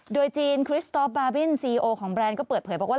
โดยจีนคริสตอลบาร์บินซีโอของแบรนด์ก็เปิดเผยบอกว่า